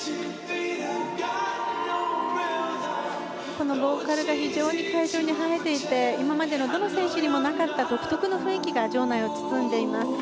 このボーカルが非常に会場に映えていて今までのどの選手にもなかった独特の雰囲気が場内を包んでいます。